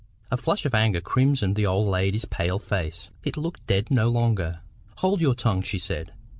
A flush of anger crimsoned the old lady's pale face. It looked dead no longer. "Hold your tongue," she said.